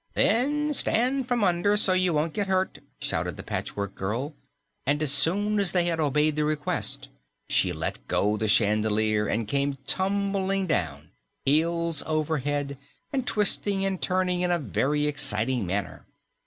"Then stand from under, so you won't get hurt!" shouted the Patchwork Girl, and as soon as they had obeyed this request, she let go the chandelier and came tumbling down heels over head and twisting and turning in a very exciting manner.